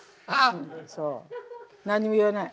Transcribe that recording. そう何にも言わない。